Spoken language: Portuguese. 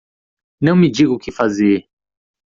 Não me diga o que fazer!